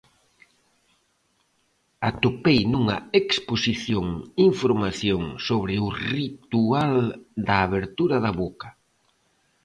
Atopei nunha exposición información sobre o ritual da abertura da boca.